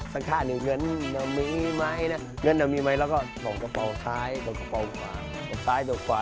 สักท่าหนึ่งเงินมีไหมนะเงินมีไหมแล้วก็ตกกระเป๋าซ้ายตกกระเป๋าขวา